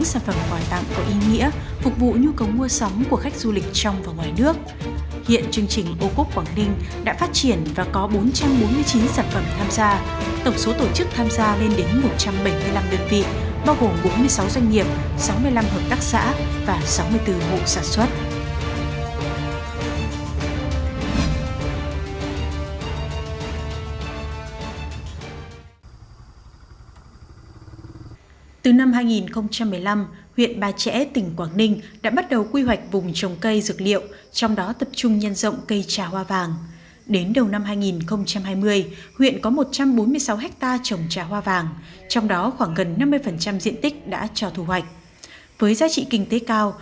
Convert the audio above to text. xin chào và hẹn gặp lại các bạn trong những video tiếp theo